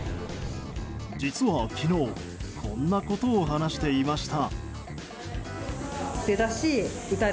実は、昨日こんなことを話していました。